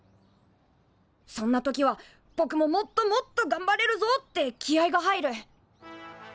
そんな時はぼくももっともっとがんばれるぞって気合いが入る！